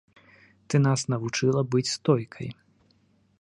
Ты нас навучыла быць стойкай.